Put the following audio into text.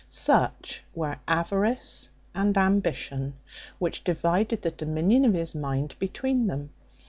Such were avarice and ambition, which divided the dominion of his mind between them.